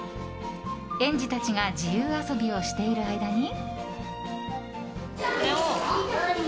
園児たちが自由遊びをしている間に。